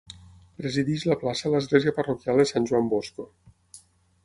Presideix la plaça l'església parroquial de Sant Joan Bosco.